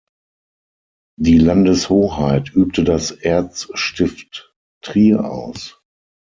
Die Landeshoheit übte das Erzstift Trier aus.